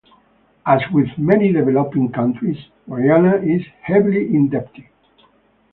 As with many developing countries, Guyana is heavily indebted.